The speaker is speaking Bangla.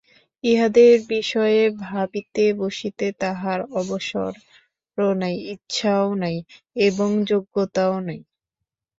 ইহাদের বিষয়ে ভাবিতে বসিতে তাঁহার অবসরও নাই, ইচ্ছাও নাই এবং যোগ্যতাও নাই।